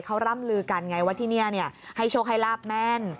เขาร่ำลือกันไงว่าที่นี่ให้โชคให้ลาบแม่น